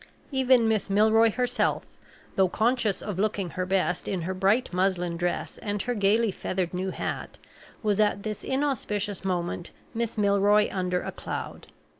Even Miss Milroy herself, though conscious, of looking her best in her bright muslin dress and her gayly feathered new hat, was at this inauspicious moment Miss Milroy under a cloud.